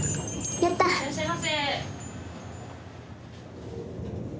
・いらっしゃいませ。